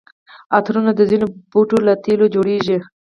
عطرونه د ځینو بوټو له تېلو جوړیږي.